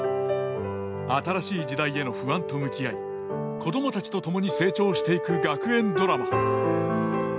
新しい時代への不安と向き合い子どもたちとともに成長していく学園ドラマ。